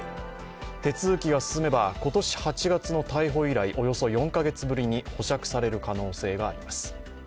手続きが進めば今年８月の逮捕以来およそ４か月ぶりに保釈される可能性があります。